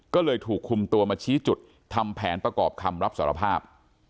ก็เลยถูกคุมตัวมาชี้จุดทำแผนประกอบคำรับสารภาพ